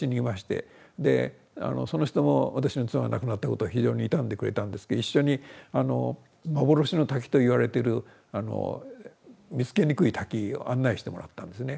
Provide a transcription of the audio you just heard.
でその人も私の妻が亡くなったことを非常に悼んでくれたんですけど一緒に幻の滝といわれてる見つけにくい滝を案内してもらったんですね。